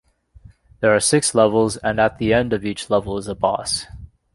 There are six levels and at the end of each level is a boss.